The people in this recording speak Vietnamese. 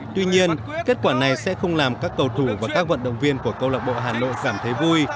tuy nhiên kết quả này sẽ không làm các cầu thủ và các vận động viên của câu lạc bộ hà nội cảm thấy vui